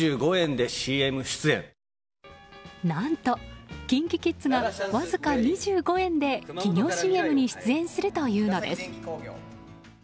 何と、ＫｉｎＫｉＫｉｄｓがわずか２５円で企業ＣＭに出演するというのです。